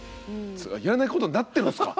やらないことになってるんすか。